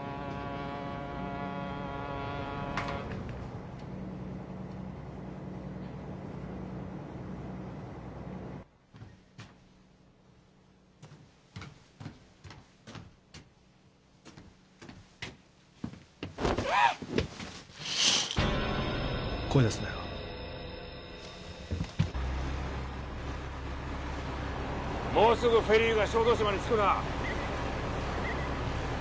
もうすぐフェリーが小豆島に着くな。